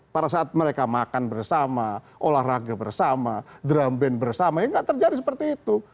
pada saat mereka makan bersama olahraga bersama drum band bersama ya nggak terjadi seperti itu